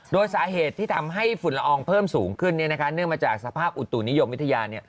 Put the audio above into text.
โดยสาเหตุที่ทำให้ฝุ่นละอองเพิ่มสูงขึ้นเนื่องมาจากสภาพอุตุนิยมวิทยา